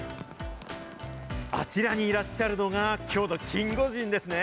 あちらにいらっしゃるのが、きょうのキンゴジンですね。